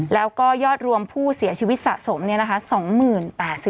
แล้วก็ยอดรวมผู้เสียชีวิตสะสมเนี่ยนะคะ